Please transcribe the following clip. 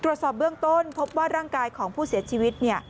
ตรวจสอบเบื้องต้นพบว่าร่างกายของผู้เสียชีวิตเนี่ย